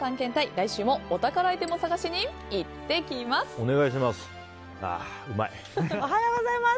来週もお宝アイテムを探しに行ってきます！